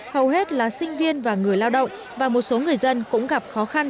hầu hết là sinh viên và người lao động và một số người dân cũng gặp khó khăn